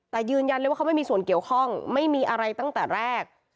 แต่ยืนยันเลยว่าเขาไม่มีส่วนเกี่ยวข้องไม่มีอะไรตั้งแต่แรก